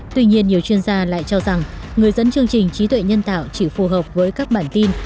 tuy nhiên nhiều chuyên gia lại cho rằng người dẫn chương trình trí tuệ nhân tạo chỉ phù hợp với các bản tin